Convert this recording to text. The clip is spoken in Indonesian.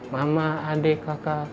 mama adik kakak